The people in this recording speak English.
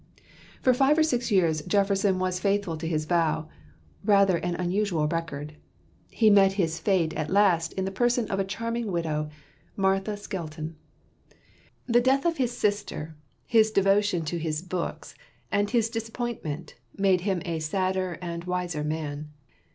For five or six years, Jefferson was faithful to his vow rather an unusual record. He met his fate at last in the person of a charming widow Martha Skelton. The death of his sister, his devotion to his books, and his disappointment made him a sadder and a wiser man.